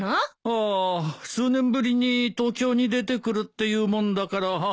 ああ数年ぶりに東京に出てくるって言うもんだから。